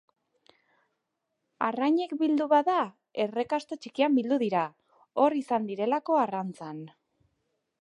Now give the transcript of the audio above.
Arrainik bildu bada, errekasto txikian bildu dira, hor izan direlako arrantzan.